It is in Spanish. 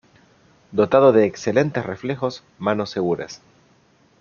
Dotado de excelentes reflejos, manos seguras.